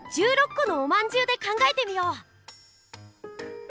このおまんじゅうで考えてみよう！